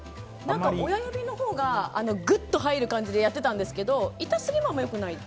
親指のほうがぐっと入る感じでやってたんですけど痛すぎもあんまりよくない？